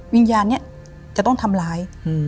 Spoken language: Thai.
วิญญาณนี้จะต้องทำร้าย